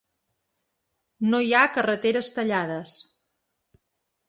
No hi ha carreteres tallades.